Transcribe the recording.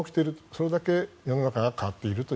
それだけ世の中が変わっていると。